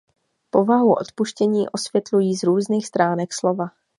Povahu odpuštění osvětlují z různých stránek slova.